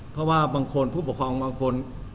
เพราะว่าบางคนผู้ปกครองบางคน